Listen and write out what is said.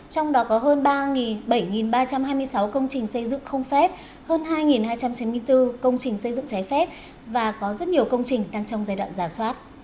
trong đó có hơn ba bảy ba trăm hai mươi sáu công trình xây dựng không phép hơn hai hai trăm chín mươi bốn công trình xây dựng trái phép và có rất nhiều công trình đang trong giai đoạn giả soát